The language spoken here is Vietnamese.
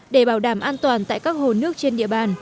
để bảo đảm an toàn tại các hồ nước trên địa bàn